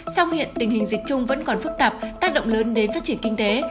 sau hiện tình hình dịch chung vẫn còn phức tạp tác động lớn đến phát triển kinh tế